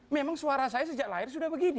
memang suara saya sejak lahir sudah begini